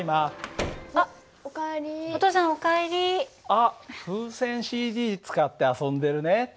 あっ風船ＣＤ使って遊んでるね。